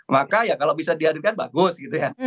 maka ya kalau bisa dihadirkan bagus gitu ya